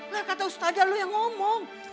lah kata ustaz lu yang ngomong